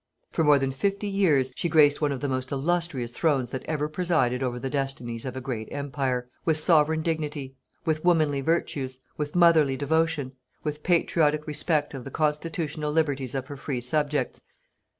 For more than fifty years, she graced one of the most illustrious Thrones that ever presided over the destinies of a great Empire, with sovereign dignity, with womanly virtues, with motherly devotion, with patriotic respect of the constitutional liberties of her free subjects.